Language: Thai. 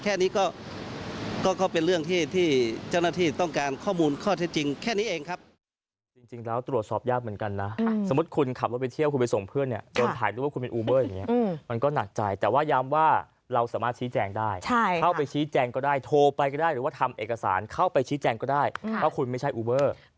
แค่นี้ก็เป็นเรื่องที่เจ้าหน้าที่ต้องการข้อมูลข้อเท็จจริงแค่นี้เองครับ